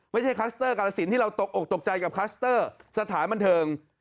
ไม่ใช่คลัสเตอร์กรรศิลป์ที่เราตกใจกับคลัสเตอร์สถานบันเทิง